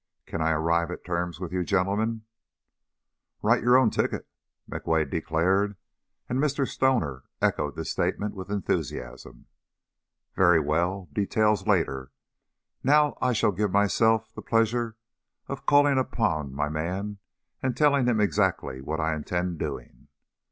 Can I arrive at terms with you gentlemen?" "Write your own ticket," McWade declared, and Mr. Stoner echoed this statement with enthusiasm. "Very well! Details later. Now, I shall give myself the pleasure of calling upon my man and telling him exactly what I intend doing."